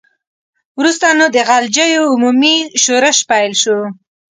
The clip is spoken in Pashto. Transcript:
وروسته نو د غلجیو عمومي ښورښ پیل شو.